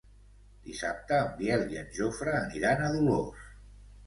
Dissabte en Biel i en Jofre aniran a Dolors.